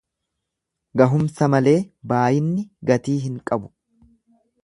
Gahumsa malee baayinni gatii hin qabu.